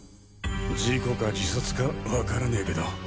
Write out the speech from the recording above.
事故か自殺かわからねぇけど。